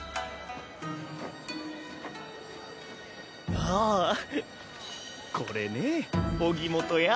ああこれね荻本屋。